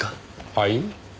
はい？